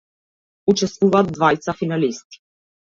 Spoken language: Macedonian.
Учествуваат двајца финалисти.